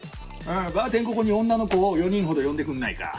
バーテン、ここに女の子を４人ほど呼んでくれないか。